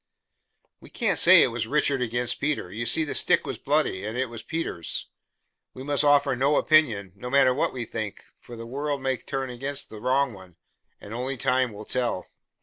"We can't say it was Richard against Peter. You see the stick was bloody, and it was Peter's. We must offer no opinion, no matter what we think, for the world may turn against the wrong one, and only time will tell."